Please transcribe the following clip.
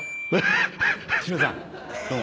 志村さんどうも。